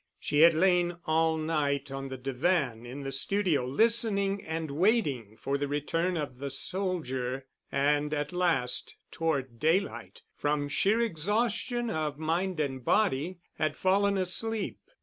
She had lain all night on the divan in the studio, listening and waiting for the return of the soldier, and at last, toward daylight, from sheer exhaustion of mind and body, had fallen asleep.